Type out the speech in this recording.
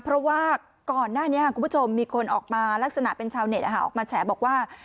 เพราะว่าก่อนหน้านี้คุณผู้ชมมีคนออกมาลักษณะเป็นชาวเน็ตออกมาแฉบอกว่า